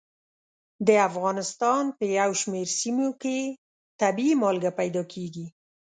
د افغانستان په یو شمېر سیمو کې طبیعي مالګه پیدا کېږي.